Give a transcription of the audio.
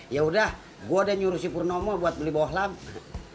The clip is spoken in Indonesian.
yaudah gue udah nyuruh si purnomo buat beli bawah lampu